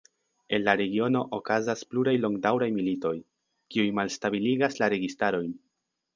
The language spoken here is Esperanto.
En la regiono okazas pluraj longdaŭraj militoj, kiuj malstabiligas la registarojn.